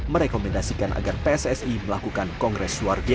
merekomendasikan agar pssi dan pssi nya